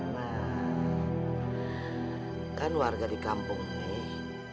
nah kan warga di kampung ini